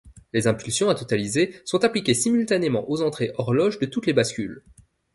Les impulsions à totaliser sont appliquées simultanément aux entrées horloge de toutes les bascules.